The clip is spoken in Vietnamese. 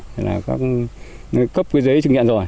thì là các cấp cái giấy chứng nhận rồi